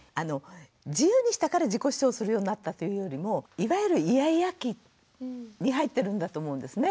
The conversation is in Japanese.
自由にしたから自己主張するようになったというよりもいわゆるイヤイヤ期に入ってるんだと思うんですね。